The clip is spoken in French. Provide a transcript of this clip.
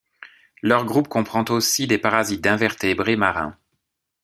Leur groupe comprend aussi des parasites d'invertébrés marins.